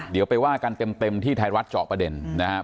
เดี๋ยวไปว่ากันเต็มที่ไทยรัฐเจาะประเด็นนะครับ